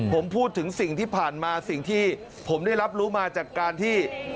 ผมพูดถึงสิ่งที่ผ่านมาสิ่งที่ผมได้รับรู้มาจากการที่